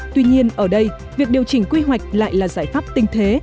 tuy nhiên ở đây việc điều chỉnh quy hoạch lại là giải pháp tinh thế